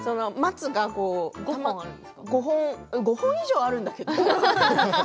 松が５本５本以上あるんだけどね。